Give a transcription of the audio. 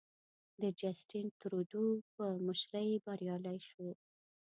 د جسټین ترودو په مشرۍ بریالی شو.